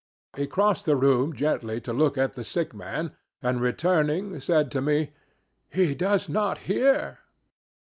He crossed the room gently to look at the sick man, and returning, said to me, 'He does not hear.'